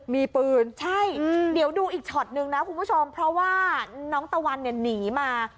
มีปืนใช่เดี๋ยวดูอีกช็อตนึงนะคุณผู้ชมเพราะว่าน้องตะวันเนี่ยหนีมา